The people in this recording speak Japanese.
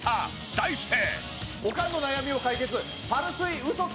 題して。